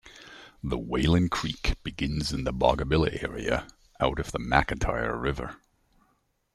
The Whalan Creek begins in the Boggabilla area, out of the McIntyre River.